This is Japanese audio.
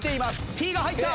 Ｔが入った。